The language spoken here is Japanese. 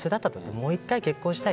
もう１回結婚したい。